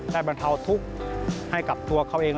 บรรเทาทุกข์ให้กับตัวเขาเอง